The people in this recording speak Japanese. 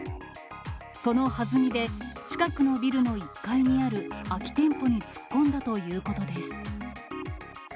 そのはずみで近くのビルの１階にある空き店舗に突っ込んだということです。